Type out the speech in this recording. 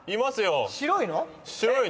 白いの？